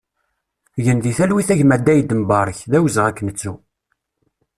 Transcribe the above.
Gen di talwit a gma Daïd Mbarek, d awezɣi ad k-nettu!